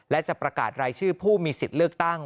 และจะประกาศรายชื่อผู้มีสิทธิ์เลือกตั้ง